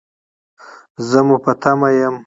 زه مو په تمه یم